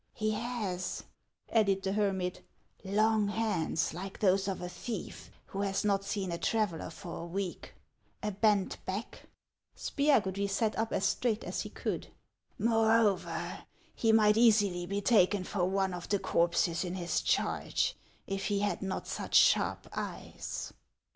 " He has," added the hermit, " long hands like those of a thief who has not seen a traveller for a week, a bent back —" Spiagudry sat up as straight as he could. "Moreover, he might easily be taken for one of the corpses in his charge if he had not such sharp eyes."